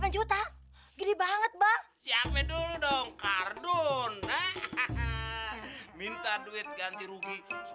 delapan juta gede banget bang siapin dulu dong kartun minta duit ganti rugi